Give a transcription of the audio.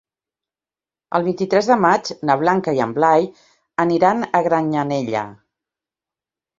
El vint-i-tres de maig na Blanca i en Blai aniran a Granyanella.